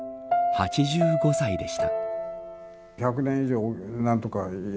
８５歳でした。